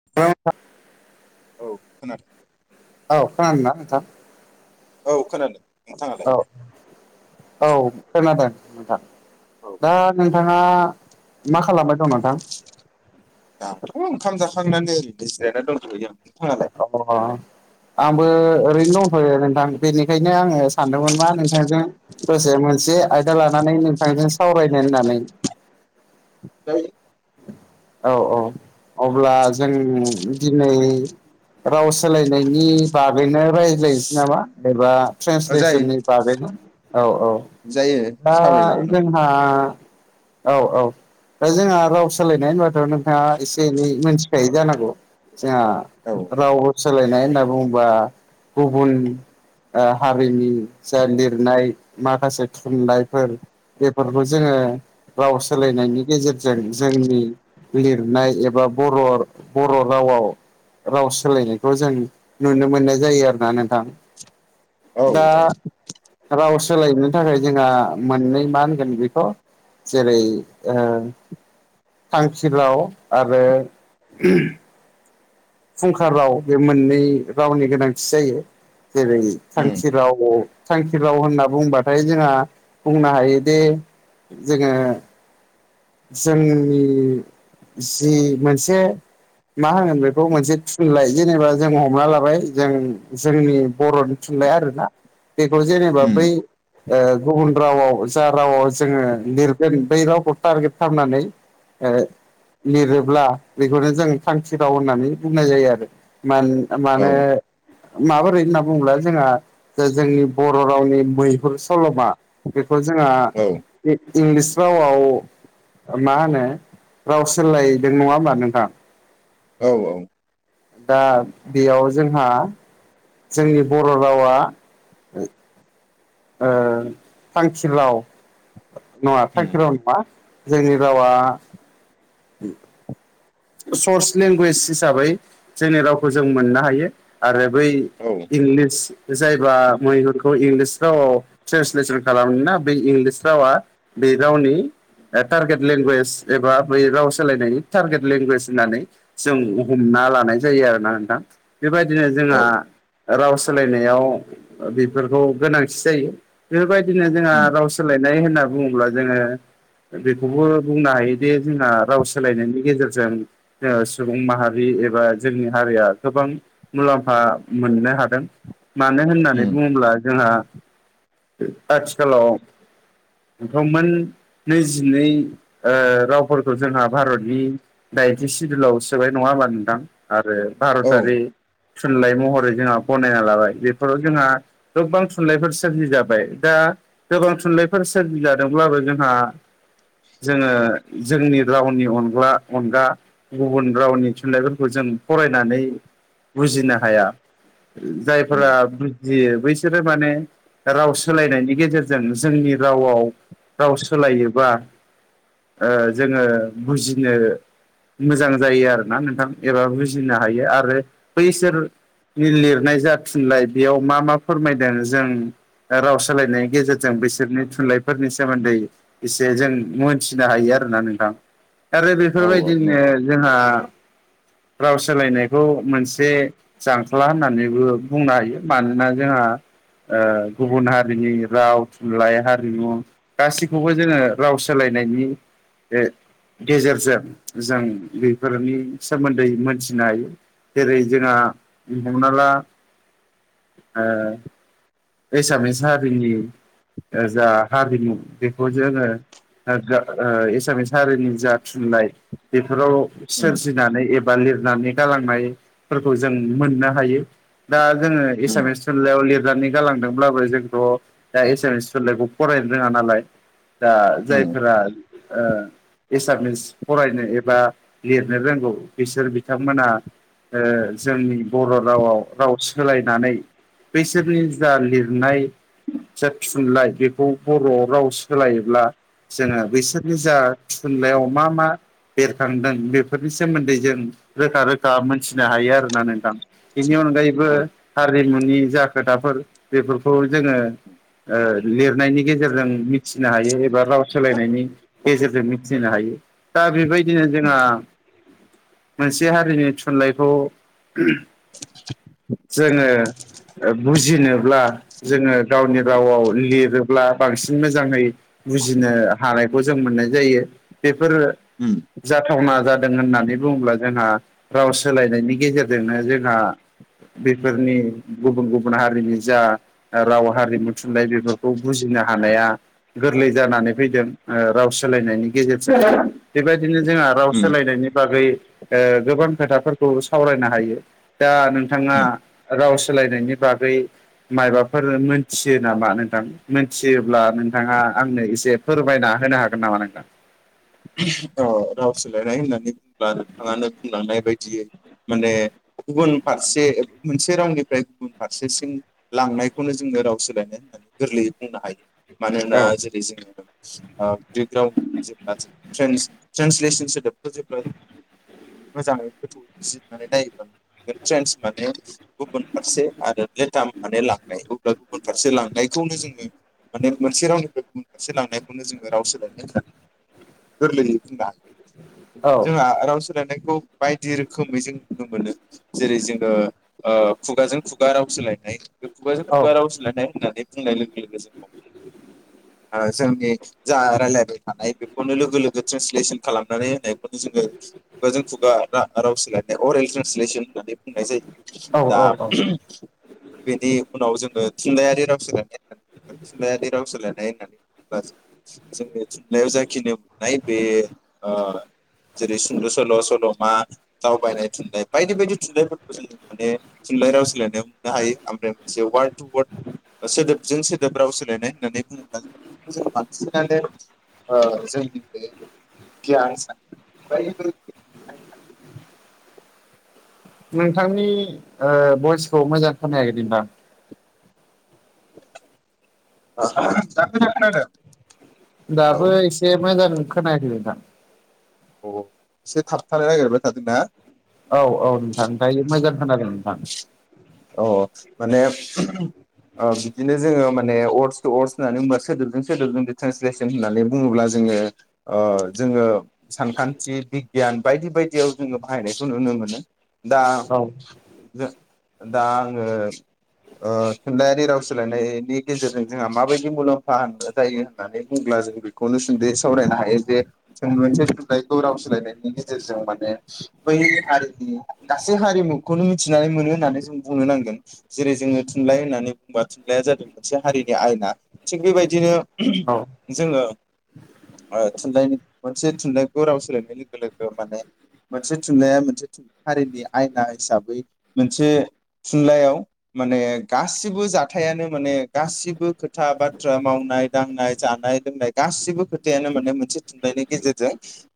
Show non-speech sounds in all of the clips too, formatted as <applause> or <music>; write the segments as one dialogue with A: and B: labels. A: <unintelligible>
B: औ खोनादों
A: औ खोनादों ना नोंथां
B: औ खोनादों नोंथाङा
A: औ खोनादों नोंथां
B: औ
A: दा नों थाङा मा खालामबाय दं नोंथां
B: दाथ' ओंखाम जाखांनानै ओरैनो जिरायना दंथ'यो आं
A: अ आंबो ओरैनो दंथ'यो नोंथां बेनिखायनो आङो सानदोंमोन मा नोंथांजों दसे मोनसे आयदा लानानै नोंथांजों सावरायनो होननानै
B: जायो
A: औ औ अब्ला जों दिनै राव सोलायनायनि बागैनो रायज्लायनोसै नामा एबा
B: जायो
A: ट्रेन्सलेसननि बागैनो औ औ
B: जायो
A: दा
B: सावरायजागोन
A: जों हा औ औ दा जोंहा राव सोलायनाय होनबाथ' नोंथाङा एसे एनै मोनथिखायो जानांगौ जोंहा
B: औ
A: रावबो सोलायनाय होनना बुङोबा गुबुन ओ हारिनि जा लिरनाय माखासे थुनलाइफोर बेफोरखौ जोङो राव सोलायनायनि गेजेरजों जोंनि लिरनाय एबा बर' बर' रावाव राव सोलायनायखौ जों नुनो मोननाय जायो आरोना नोंथां
B: औ
A: दा
B: औ
A: राव सोलायनो थाखाय जोंहा मोननै मा होनगोन बेखौ जेरै ओ थांखि राव आरो फुंखा राव बे मोननै रावनि गोनांथि जायो जेरै
B: उम
A: थांखि रावाव थांखि राव होनना बुंबाथाय जोंहा बुंनो हायोदि जोङो जोंनि जि मोनसे मा होनो बेखौ मोनसे थुनलाइ जेनेबा जों हमना लाबाय जों जोंनि बर'नि थुनलाइ आरोना बेखौ जेनेबा बै
B: उम
A: ओ गुबुन रावाव जा रावाव जोङो लिरगोन बै रावखौ टारगेट खालामनानै ओ लिरोब्ला बेखौनो जों थांखि राव होननानै बुंनाय जायो आरो मान
B: औ
A: मानो माबोरै होनना बुंङोब्ला जोंहा जे जोंनि बर' रावनि मैहुर सल'मा बेखौ जोंहा
B: औ
A: इंलिस रावाव मा होनो राव सोलायदों नङा होमबा नोंथां
B: औ औ
A: दा बेयाव जोंहा जोंनि बर' रावा ओ थांखि राव नङा
B: उम
A: थांखि राव नङा जोंनि रावा <inaudible> सर्स लेंगुवेज हिसाबै जोंनि रावखौ जों मोननो हायो आरो बै
B: औ
A: इंलिस जायबा मैहुरखौ इंलिस रावाव ट्रेन्सलेसन खालामोना बे इंलिस रावा बे रावनि टारगेट लेंगुवेज एबा बै राव सोलायनायनि टारगेद लेंगुवेज होननानै जों हमना लानाय जायो आरोना नोंथां बेबायदिनो
B: औ
A: जोङा राव सोलायनायाव बेफोरखौ गोनांथि जायो बेफोरबायदिनो जोंहा
B: उम
A: राव सोलायनाय होनना बुङोब्ला जोंङो बेखौबो बुंनो हायोदि जोंना राव सोलायनायनि गेजेर जों सुबुं माहारि एबा जोंनि हारिया गोबां मुलाम्फा मोननो हादों मानो होननानै
B: उम
A: बुङोब्ला जोंहा आथिखालाव गौमोन नैजिनै ओ रावफोरखौ जोंहा भारतनि दाइथि सिदुलाव सोबाय नङा होमब्ला नोंथां आरो
B: औ
A: भारतारि थुनलाइ महरै जोंहा गनायना लाबाय बेफोराव जोंहा गोबां थुनलाइफोर सोरजि जाबाय दा गोबां थुनलाइफोर सोरजि जादोंब्लाबो जोंहा जोङो जोंनि रावनि अनग्ला अनगा गुबुन रावनि थुनलाइफोरखौ जों फरायनानै बुजिनो हाया जायफोरा
B: उम
A: बैसोरो माने राव सोलायनायनि गेजेरजों जोंनि रावआव राव सोलायोबा जोंङो बुजिनो मोजां जायो आरो ना नोंथां एबा बुजिनो हायो आरो बैसोर लिरनाय जाथुनलााय बेयाव मा मा फोरमायदों जों राव सोलायनायनि गेजेरजों बिसोरनि थुनलाइफोरनि सोमोन्दै एसे जों मोनथिनो हायो आरोोना नोंथां आरो
B: औ औ
A: बेफोरबायदिनो
B: नंगौ
A: जोंहा राव सोलायनायखौ मोनसे जांख्ला होननानैबो बुंनो हायो मानोना जोंहा ओ गुबुन हारिनि राव थुनलाइ हारिमु गासैखौबो जोंङो राव सोलायनायनि गेजेरजों जों बेफोरनि सोमोन्दै मोनथिनो हायो। जेरै जोंहा हमना ला एसामिस हारिनि जा हारिमु बेखौ जोंङो एसामिस हारिनि जा थुनलाइ बेफोराव
B: उम
A: सोरजिनानै एबा लिरनानै गालांनायफोरखौ जों मोननो हायो दा जोंङो
B: उम
A: एसामिस थुनलाइयाव लिरनानै जालांदोंब्लाबो जोंथ' दा एसामिस सलाायखौ फरायनो रोंङा नालाय दा
B: उम
A: जायफोरा एसामिस फरायनो एबा लिरनो रोंगौ बिसोर बिथांमोना जोंनि बर' रावाव राव सोलायनानै बैसोरनि जा लिरनाय जा थुनलाइ बेखौ बर' राव सोलायोब्ला जोंङो बिसोरनि जा थुनलाइयाव मा मा बेरखांदों बेफोरनि सोमोन्दै जों रोखा रोखा मोनथिनो हायो आरोना नोंथां बेनि अनगायैबो
B: औ
A: हारिमुनि जा खोथाफोर बेफोरखौ जोंङो लिरनायनि गेजेरजों मिथिनो हायो एबा राव सोलायनायनि गेजेरजों मिथिहोनो हायो दा बेबायदिनो
B: उम
A: जोंहा मोनसे हारिनि थुनलाइखौ जोंङो बुजिनो जोंङो गावनि रावआव लिरोब्ला बांसिन मोजांङै बुजिनो हानायखौ जों मोननाय जायो बेफोरो
B: उम
A: जाथावना जादों होननानै बुंङोब्ला जोंहा राव सोलायनायनि गेजेरजोंनो जोंहा बेफोरनि गुबुन गुबुन हारिनि जा राव हारिमु थुनलाइ बेफोरखौ बुजिनो हानाया गोरलै जानानै फैदों राव सोलायनायनि गेजेरजों बेबायदिनो जोंहा राव
B: उम
A: सोलायनायनि बागै गोबां खोथाफोरखौ सावरायनो हायो दा नोंथाङा राव सोलायनायनि बागै माबाफोर मोनथियो नामा नोंथां मोनथियोब्ला नोंथाङा आंनो एसे फोरमायना होनो हागोन नामा नोंथां
B: औ राव सोलायनाय होननानै बुंुङब्ला नोंथाङानो बुंलांनाय बायदियै माने गुबुन फारसे मोनसे रावनिफ्राय गुबुन फारसेसिम लांनायखौनो जोंनो राव सोलायनाय होननानै गोरलैयै बुंनो हायो मानोना
A: औ
B: जेरै जोङो प्लेग्राउन्ड <unintelligible> मोजाङै गोथौ बिजिरनानै नायोबानो ट्रेन्स माने गुबुन फारसे आरो <unintelligible> गुबुन फारसे लांनायखौनो जोङो माने मोनसे रावनिफ्राय गुबुन फारसे लांनायखौनो जोङो राव सोलायनो गोरलैयै होनना
A: औ
B: जोंहा राव सोलायनायखौ बायदि रोखोमै जों नुनो मोनो जेरै जोङो खुगाजों खुगा राव सोलायनाय बे खुगाजों
A: औ
B: खुगा राव सोलायनाय होननानै बुंनाय लोगो लोगो जों ओ जोंनि जा रायलायबाय थानाय बेखौनो लोगो लोगो ट्रेन्सलेसन खालामनानै होनाय नो जोङो खुगाजों खुगा राव सोलायनाय अरेल ट्रेन्सलेसन होननानै बुंनाय जायो।
A: औ
B: दा
A: औ औ
B: बेनि उनाव जोङो थुनलाइयारि राव सोलायनाय थुनलाइयारि राव सोलायनाय होननानै जोंनि थुनलाइयाव जाखिनि नाय बे ओ जेरै सुंद' सल', सल'मा दावबायनाय थुनलाइ बायदि बायदि थुनलाइफोरखौ जों माने थुनलाइ राव सोलायनायाव मोननो हायो ओमफ्राय मोनसे वार्ड टु वार्ड ओ सोदोबजों सोदोब राव सोलायनाय होननानै बुङोब्ला जों बांसिनानो ओ जोंनि बे ग <unintelligible>
A: नोंथांनि ओ भइसखौ मोजां खोनायाखै <unintelligible>
B: <unintelligible> दा मोजां खनादों?
A: दाबो एसे मोजां खोनाखै नोंथां।
B: अ एसे थाबथानो नागिरबाय थादों ना?
A: औ औ नोंथां ओमफ्राय मोजां खोनादों नोंथां।
B: औ औ माने ओ बिदिनो जोङो माने वर्डस टू वर्डस होननानै होनबा बे सोदोबजों सोदोबजों ट्रेसलेस होननानै बुङोब्ला जोङो ओ जोङो सानखान्थि बिगियान बायदि बायदियाव जोङो बाहायनायखौ नुनो मोनो। दा
A: औ
B: जों दा आङो ओ थुनलाइयारि राव सोलायनायनि गेजेरजों जोंहा माबायदि मुलाम्फा होन जायो होननानै बुङोब्ला जों बेखौ खौनो सुनदै सावरायनो हायो जे जों मोनसे थुनलाइखौ राव सोलायनायनि सो जों माने बै हारिनि गासै हारिमुखौनो मिथिनानै मोनो होननानै जों बुंनो नांगोन। जेरै जोङो थुनलाइ होननानै बुंबा थुनलाइया जादों मोनसे हारिनि आयना थिग बेबायदिनो
A: औ।
B: जोङो ओ थुनलाइ मोनसे थुनलाइखौ राव सोलायनाय लोगो लोगो माने मोनसे थुनलाइया मोनसे हारिनि आयना हिसाबै मोनसे थुनलाइयाव माने गासिबो जाथायानो माने गासिबो खोथा बाथ्रा मावनाय दांनाय, जानाय-लोंनाय गासिबो खोथायानो माने मोनसे थुनलाइनि गेजेरजों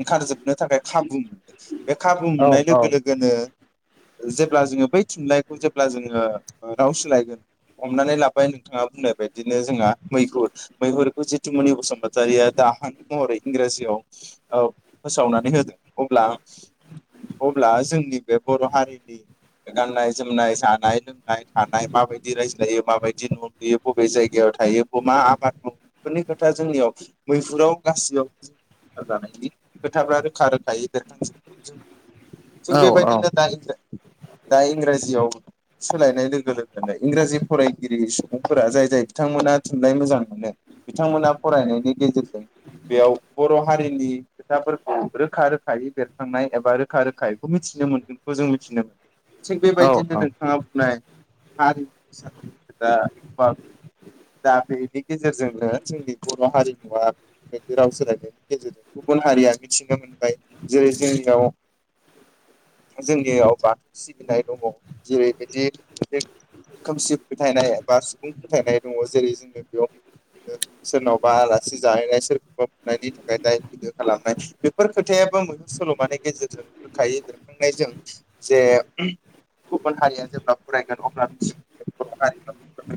B: ओंखारजोबनो थाखाय खाबु मोनदों। बे खाबु
A: औ
B: मोननाय लोगो-लोगोनो जेब्ला जोङो बै थुनलाइखौ खौ जेब्ला जोङो राव सोलायगोन। हमनानै लाबाय नोंथाङा बुंनाय बायदिनो जोंहा मैहुर मैहुरखौ जितुमनि बसुमतारिया दा हानतार महरै इंराजियाव औ फोसावनानै होदों अब्ला अब्ला जोंनि बे बर' हारिनि गाननाय-जोमनाय, जानाय-लोंनाय नाय, थानाय माबायदि रायज्लायो माबायदि नु लुयो बबे जायगायाव थायो बबे मा आबाद माव फोरफोरनि खोथा जोंनियाव मैहुराव गासियाव जानायनि खोथाफ्रा रोखा-रोखायै बेखांजोबो
A: औ
B: थिग बेबायदिनो दा इंरा दा इंराजियाव सोलायनाय लोगो लोगोनो इंराजि फरायगिरि सुबुंफोरा जाय जाय बिथांमोना थुनलाइ मोजां मोनो बिथांमोना फरायनायनि गेजेरजों बेयाव बर' हारिनि खोथाफोरखौ रोखा रोखायै बेरखांनाय एबा रोखा रोखायै इखौ मिथिनो मोनगोनखौ जों मिथिनो मोन थिग बेबायदिनो
A: औ
B: नोंथाङा बुंनाय हारिमु फोसानायो दा <unintelligible> दा बेनि गेजेरजोंनो जोंनि बर' हारिमुवा बेदि राव सोलायनायनि गेजेरजों गुबुन हारिया मिथिनो मोनबाय जेरै जोंनियाव जोंनियाव बाथौ सिबिनाय दङ' जेरैबायदि खोमसि फोथायनाय बा सुबुं फोथायनाय दङ' जेरै जोङो बेयाव सोरनावबा आलासि जाहैनाय सोरखौबा फुनायनि थाखाय दाय फैदो खालामनाय बेफोर खोथायाबो मैहुर सल'मानि गेजेरजों होखायो बेरखांनायजों जे गुबुन हारिया जेब्ला फरायगोन अब्ला मिथिगोन बर' हारिफोरा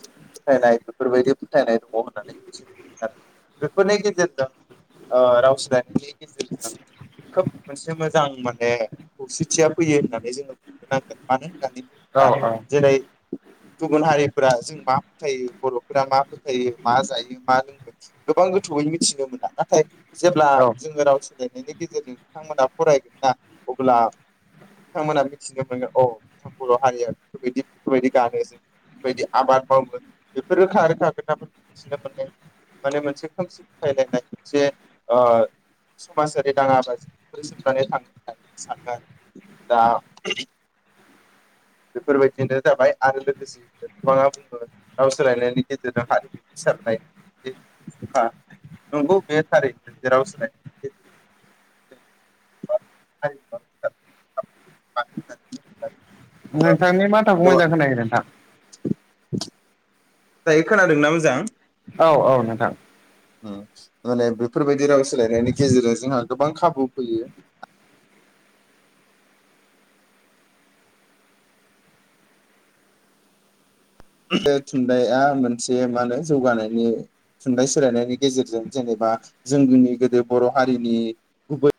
B: फोथायनाय बेफोरबायदि फोथायनाय दङ होननानै मिथियो बेफोरनि गेजेरजों रावसोलायनायनि गेजेरजों खोब मोनसे मोजां माने खौसेथिया फैयो होननानै जोङो होनांगोन मानो होननानै
A: औ
B: बुङोब्ला जेरै गुबुन हारिफोरा जों मा फोथायो बर'फोरा मा फोथायो मा जायो मा लोङो गोबां गोथौयै मिथिनो मोना नाथाय जेब्ला
A: औ
B: जोङो राव सोलायनायनि गेजेरजों बिथांमोना फरायगोनना अब्ला बिथांमोना मिथिनो मोनगोन अ बर' हारिया बेफोरबायदि बेफोरबायदि गानो जोमो बायदि आबाद मावो बेफोर रोखा रोखा खोथाफोरखौ मिथिनो मोननाय जायो माने मोनसे खोमसि फोथायलायनाय मोनसे ओ समाजारि दाङा बाजि <unintelligible> दा बेफोरबायदिनो जाबाय आरो लोगोसे गोबाङा बुङो राव सोलायनायनि गेजेरजों हारिमु गोसारनायनि फुंखा नंगौ बे थारैनो जे राव सोलायनाया हारिमुवा <unintelligible>
A: नोंथांनि माथोखौ
B: गोबां
A: मैजां खोनायाखै नोंथां
B: <inaudible> दायो खोनादोंना मोजां
A: औ औ नोंथां
B: माने बेफोरबायदि राव सोलायनायनि गेजेरजों जोंहा गोबां खाबु फैयो बे थुनलाइआ मोनसे मा होनो जौगानायनि थुनलाइ सोलायनायनि गेजेरजों जेनेबा जोंनि गोदो बर' हारिनि गुबै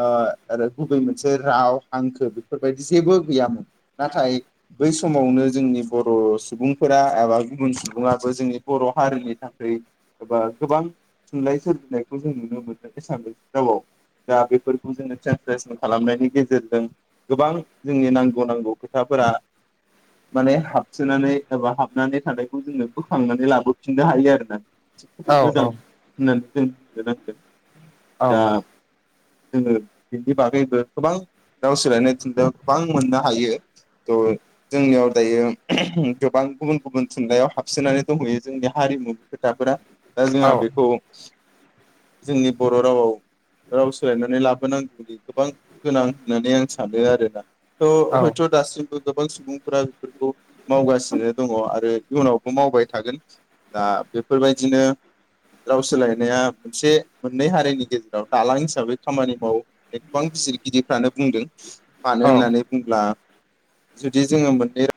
B: ओ आरो गुबै मोनसे राव हांखो बेफोरबायदि जेबो गैयामोन नाथाय बै समावनो जोंनि बर' सुबुंफोरा एबा गुबुन सुबुङाबो जोंनि बर' हारिनि थाखाय एबा गोबां थुनलाइ सोरजिनायखौ जों नुनो मोनदों एसामिस रावाव दा बेफोरखौ जोङो ट्रेन्सलेसन खालामनायनि गेजेरजों गोबां जोंनि नांगौ नांगौ खोथाफोरा माने हाबसोनानै एबा हाबनानै थानायखौ जोङो बोखांनानै लाबोफिननो हायो आरोना
A: औ औ
B: मोजां होननानै जों बुंनो नांगोंन
A: औ
B: दा जोङो बिनि बागैबो गोबां राव सोलायनाय थुनलाइखौ गोबां मोननो हायो थ जोंनियाव दायो गोबां गुबुन गुबुन थुनलाइयाव हाबसोनानै दंहैयो जोंनि हारिमुनि खोथाफोरा दा जोंहा
A: औ
B: बेखौ जोंनि बर' रावाव राव सोलायनानै लाबोनांगौनि गोबां गोनां होननानै आं सानो आरोना थ हयथ दासिमबो गोबां सुबुंफोरा बेफोरखौ मावगासिनो दङ आरो इयुनावबो मावबाय थागोन दा बेफोरबायदिनो राव सोलायनाया मोनसे मोननै हारिनि गेजेराव दालां हिसाबै खामानि मावो गोबां बिजिरगिरिदिरफ्रानो बुंदों मानो
A: औ औ
B: होननानै बुंब्ला जुदि जोङो मोननै